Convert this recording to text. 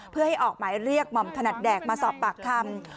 เพื่อให้ออกหมายเรียกหม่อมถนัดแดกมาสอบปากคำ